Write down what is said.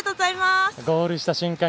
ゴールした瞬間